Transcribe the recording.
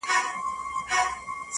په حيرت حيرت پاچا ځان ته كتله .!